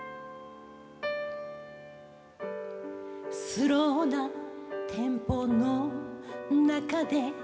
「スローなテンポの中で」